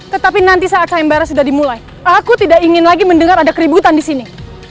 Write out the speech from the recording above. tetapi nanti saat sayembara sudah dimulai aku tidak ingin lagi mendengar ada keributan di sini